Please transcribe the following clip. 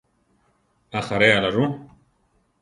¿Ajaréala rú?